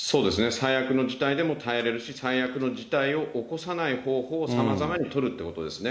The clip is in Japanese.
最悪の事態でも耐えれるし、最悪の事態を起こさない方法をさまざまに取るっていうことですね。